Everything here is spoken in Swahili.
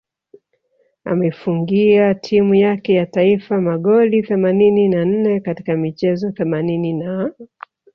Ameifungia timu yake ya taifa magoli themanini na nne katika michezo themanini na